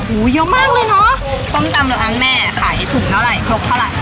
๓๐กว่าโลเนี่ยละครับ